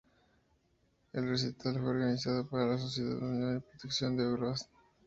El recital fue organizado por la "Sociedad Unión y Protección" de Huaraz.